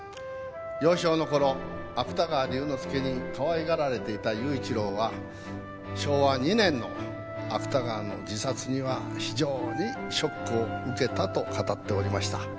「幼少の頃芥川龍之介にかわいがられていた雄一郎は昭和２年の芥川の自殺には非常にショックを受けたと語っておりました」